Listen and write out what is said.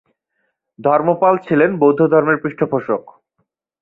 ধর্মপাল ছিলেন বৌদ্ধধর্মের পৃষ্ঠপোষক।